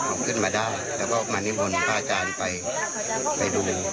ออกขึ้นมาได้แล้วก็มานิบนภาษาอาจารย์ไปดู